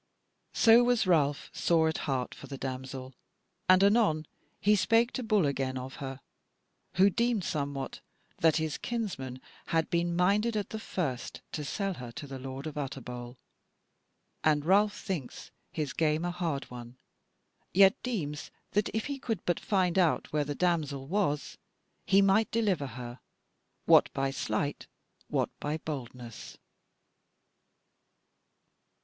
So was Ralph sore at heart for the damsel, and anon he spake to Bull again of her, who deemed somewhat, that his kinsman had been minded at the first to sell her to the lord of Utterbol. And Ralph thinks his game a hard one, yet deems that if he could but find out where the damsel was, he might deliver her, what by sleight, what by boldness.